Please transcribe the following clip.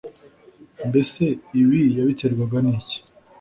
Mbese ibi yabiterwaga n’iki